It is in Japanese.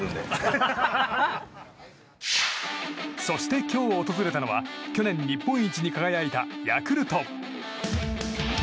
そして今日、訪れたのは去年日本一に輝いたヤクルト。